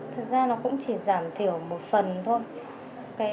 thực ra nó cũng chỉ giảm thiểu một phần thôi